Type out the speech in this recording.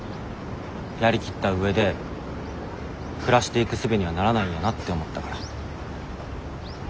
やりきった上で暮らしていくすべにはならないんやなって思ったから。